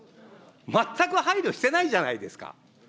全く配慮してないじゃないですか。